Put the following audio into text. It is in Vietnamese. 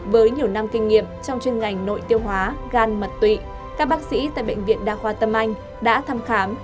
với nhiều năm kinh nghiệm trong chuyên ngành nội tiêu hóa gan mật tụy các bác sĩ tại bệnh viện đa khoa tâm anh đã thăm khám